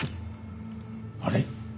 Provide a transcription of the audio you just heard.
あれ？